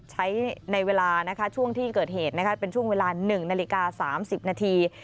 ใช้ในเวลาช่วงที่เกิดเหตุเป็นช่วงเวลา๑นาฬิกา๓๐นาที